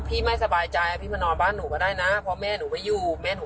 ไม่สบายใจพี่มานอนบ้านหนูก็ได้นะเพราะแม่หนูไม่อยู่แม่หนู